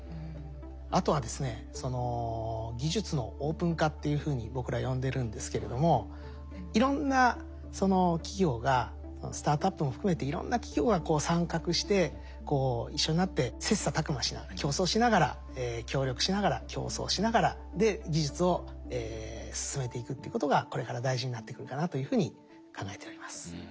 あとはですね「技術のオープン化」っていうふうに僕ら呼んでるんですけれどもいろんな企業がスタートアップも含めていろんな企業が参画して一緒になって切磋琢磨しながら競争しながら協力しながら競争しながらで技術を進めていくっていうことがこれから大事になってくるかなというふうに考えております。